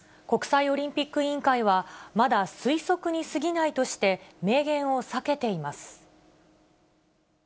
国際オリンピック委員会は、まだ推測にすぎないとして、明言を避けています。